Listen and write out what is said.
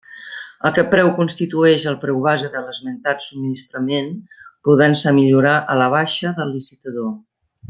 Aquest preu constitueix el preu base de l'esmentat subministrament, podent-se millorar a la baixa pel licitador.